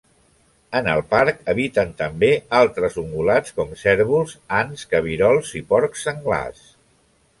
En el parc habiten també altres ungulats com cérvols, ants, cabirols, i porcs senglars.